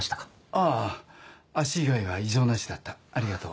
ああ足以外は異常なしだったありがとう。